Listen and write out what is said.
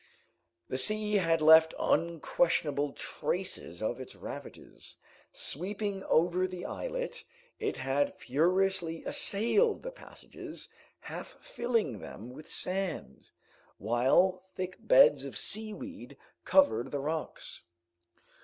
The sea had left unquestionable traces of its ravages. Sweeping over the islet, it had furiously assailed the passages, half filling them with sand, while thick beds of seaweed covered the rocks.